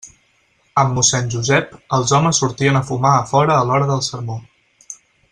Amb mossèn Josep, els homes sortien a fumar a fora a l'hora del sermó.